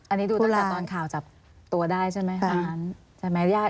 อันนี้ดูตั้งแต่ตอนข่าวจับตัวได้ใช่ไหมคะ